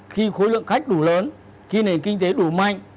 khi khối lượng khách đủ lớn khi nền kinh tế đủ mạnh